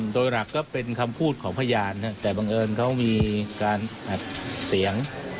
โดยหลักก็เป็นคำพูดของพยานแต่บังเอิญเขามีการอัดเสียง